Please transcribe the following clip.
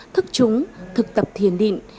thức trúng thực tập thiền định